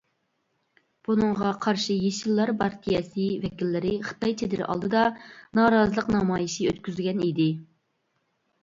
بۇنىڭغا قارشى يېشىللار پارتىيەسى ۋەكىللىرى خىتاي چېدىرى ئالدىدا نارازىلىق نامايىشى ئۆتكۈزگەن ئىدى.